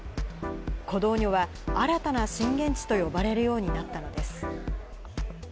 コドーニョは新たな震源地と呼ばれるようになったのです。